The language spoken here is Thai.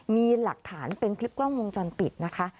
มีหลักฐานเป็นคลิปกล้องวงจรปิดนะคะ